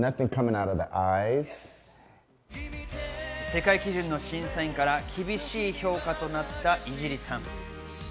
世界基準の審査員から厳しい評価となった井尻さん。